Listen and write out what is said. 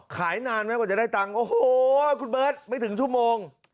ขายนานไหมกว่าจะได้ตังค์โอ้โหคุณเบิร์ตไม่ถึงชั่วโมง